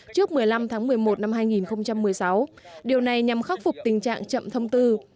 trước một mươi năm tháng một mươi một năm hai nghìn một mươi sáu điều này nhằm khắc phục tình trạng chậm thông tư